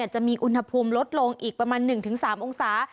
จะมีอุณหภูมิลดลงอีกประมาณ๑๓องศา